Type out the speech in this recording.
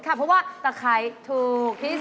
นี่